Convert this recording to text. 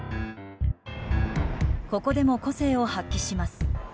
ここでも個性を発揮します。